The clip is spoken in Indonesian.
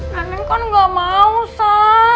nenek kan gak mau sa